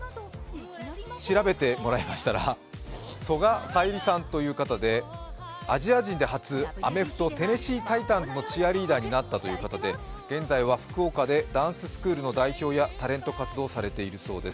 調べてもらいましたら、曽我小百合さんという方でアジア人で初、アメフトテネシー・タイタンズのチアリーダーになったという方で現在は福岡でダンススクールの代表やタレント活動をされているそうです。